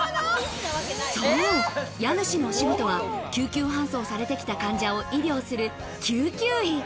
そう、家主のお仕事は救急搬送されてきた患者を医療する救急医。